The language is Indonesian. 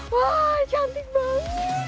wah cantik banget